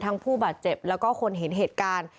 ผู้บาดเจ็บแล้วก็คนเห็นเหตุการณ์